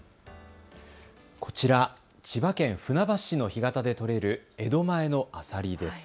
こちら、千葉県船橋市の干潟で取れる江戸前のアサリです。